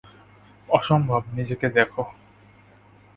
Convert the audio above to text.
অসম্ভব, নিজেকে দেখ!